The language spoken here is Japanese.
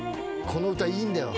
この歌いいんだよ。